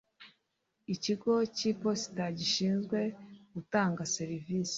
Ikigo cy iposita gishinzwe gutanga serivisi